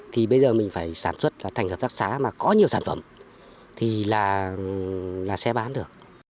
thì bây giờ mình phải sản xuất là thành hợp tác xã mà có nhiều sản phẩm thì là sẽ bán được